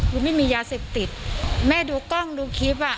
ไม่มียาเสพติดแม่ดูกล้องดูคลิปอ่ะ